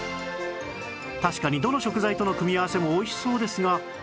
確かにどの食材との組み合わせもおいしそうですが